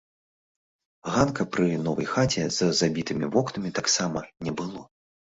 Ганка пры новай хаце з забітымі вокнамі таксама не было.